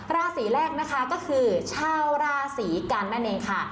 ราศีแรกนะคะก็คือชาวราศีกันนั่นเองค่ะ